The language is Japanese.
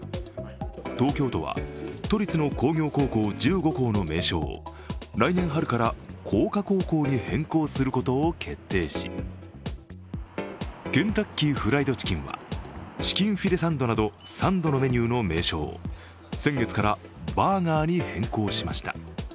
東京都は都立の工業高校１５校の名将を来年春から工科高校に変更することを決定しケンタッキーフライドチキンはチキンフィレサンドなどサンドのメニューの名称を先月からバーガーに変更しました。